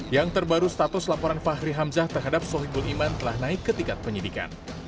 yang terbaru status laporan fahri hamzah terhadap sohibul iman telah naik ke tingkat penyidikan